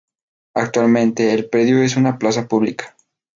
Actualmente el predio es una plaza pública.